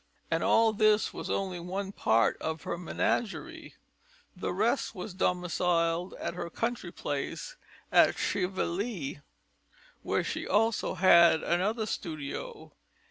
And all this was only one part of her menagerie; the rest was domiciled at her country place at Chevilly, where she also had another studio.